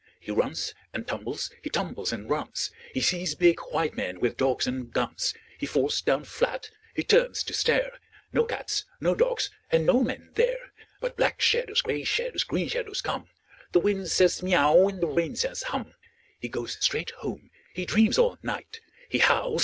He runs and tumbles, he tumbles and runs. He sees big white men with dogs and guns. He falls down flat. H)e turns to stare — No cats, no dogs, and no men there. But black shadows, grey shadows, green shadows come. The wind says, " Miau !" and the rain says, « Hum !" He goes straight home. He dreams all night. He howls.